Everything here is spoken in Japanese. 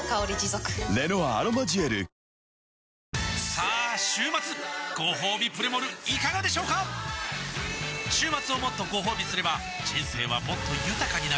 さあ週末ごほうびプレモルいかがでしょうか週末をもっとごほうびすれば人生はもっと豊かになる！